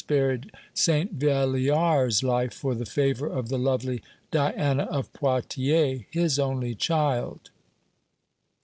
spared St. Valliar's life for the favor of the lovely Diana of Poitiers, his only child.